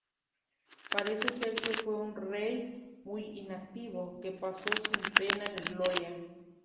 Parece ser que fue un rey muy inactivo, que pasó sin pena ni gloria.